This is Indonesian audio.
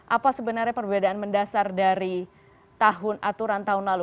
apa sebenarnya perbedaan mendasar dari aturan tahun lalu